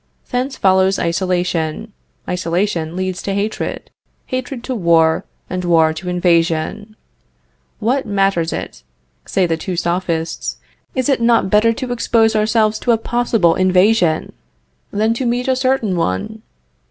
Thence follows isolation; isolation leads to hatred; hatred to war; and war to invasion. What matters it? say the two Sophists; is it not better to expose ourselves to a possible invasion, than to meet a certain one?